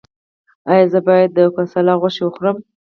ایا زه باید د ګوساله غوښه وخورم؟